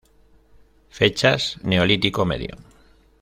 Fechas: Neolítico Medio.